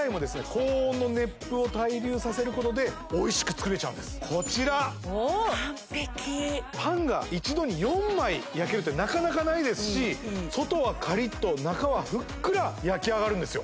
高温の熱風を対流させることでおいしく作れちゃうんですこちら完璧パンが一度に４枚焼けるってなかなかないですし外はカリッと中はふっくら焼き上がるんですよ